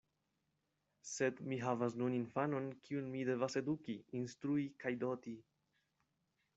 Sed mi havas nun infanon, kiun mi devas eduki, instrui kaj doti.